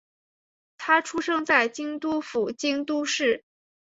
她出生在京都府京都市。